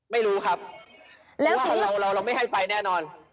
ไม่รู้ครับเราไม่ให้ไปแน่นอน